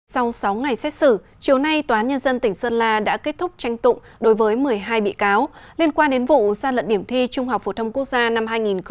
sau sáu ngày xét xử chiều nay tòa nhân dân tỉnh sơn la đã kết thúc tranh tụng đối với một mươi hai bị cáo liên quan đến vụ gian lận điểm thi trung học phổ thông quốc gia năm hai nghìn một mươi tám